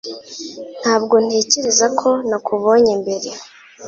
Ntabwo ntekereza ko nakubonye mbere